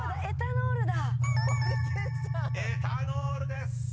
［「エタノール」です！］